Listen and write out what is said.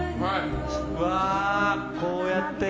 うわあこうやって。